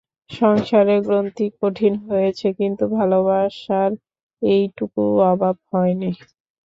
সংসারের গ্রন্থি কঠিন হয়েছে, কিন্তু ভালোবাসার একটুকুও অভাব হয় নি।